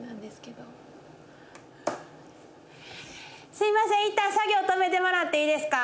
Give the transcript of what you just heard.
すいません一旦作業止めてもらっていいですか。